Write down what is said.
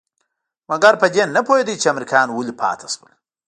مګر په دې نه پوهېده چې امريکايان ولې پاتې شول.